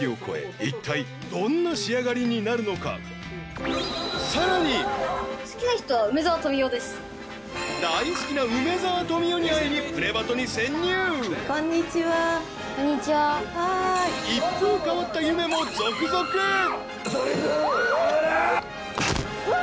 一体どんな仕上がりになるのかさらに大好きな梅沢富美男に会いに「プレバト！！」に潜入一風変わった夢も続々うわっ！